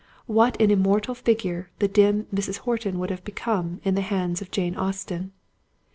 What an immortal figure the dim Mrs. Horton would have become in the hands of Jane Austen!